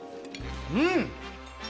うん！